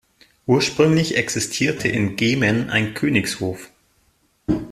Ursprünglich existierte in Gemen ein Königshof.